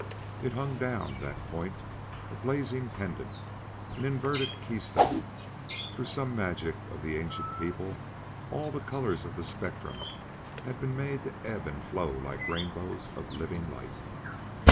It hung down, that point, a blazing pendant an inverted keystone; through some magic of that ancient people all the colors of the spectrum had been made to ebb and flow like rainbows of living light.